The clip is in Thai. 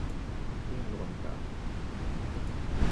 ยิ่งรวมกับ